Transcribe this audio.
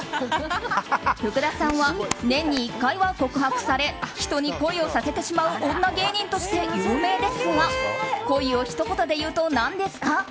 福田さんは年に１回は告白され人に恋をさせてしまう女芸人として有名ですが恋をひと言で言うと何ですか？